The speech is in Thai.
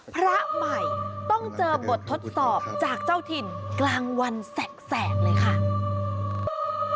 พระใหม่ต้องเจอบททดสอบจากเจ้าถิ่นกลางวันแสกเลยค่ะ